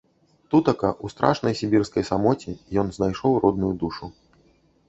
Тутака, у страшнай сібірскай самоце, ён знайшоў родную душу.